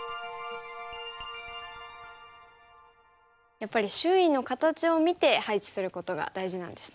やっぱり周囲の形を見て配置することが大事なんですね。